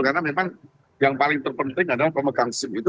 karena memang yang paling terpenting adalah pemegang sim itu